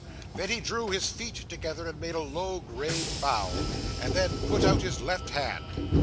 Then he drew his feet together, and made a low, grave bow, and then put out his left hand.